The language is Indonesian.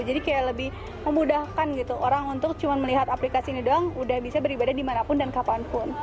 jadi kayak lebih memudahkan gitu orang untuk cuma melihat aplikasi ini doang udah bisa beribadah dimanapun dan kapanpun